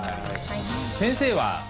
先生は？